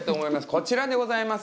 こちらでございます。